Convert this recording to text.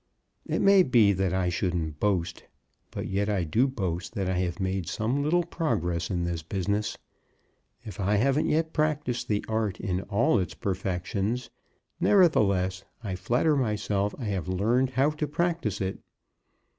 It may be that I shouldn't boast; but yet I do boast that I have made some little progress in this business. If I haven't yet practised the art in all its perfections, nevertheless I flatter myself I have learned how to practise it.